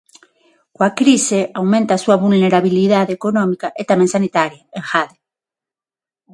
"Coa crise aumenta a súa vulnerabilidade económica e tamén sanitaria", engade.